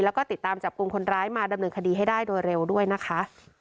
แล้วก็ติดตามจับกลุ่มคนร้ายมาดำเนินคดีให้ได้โดยเร็วด้วยนะคะ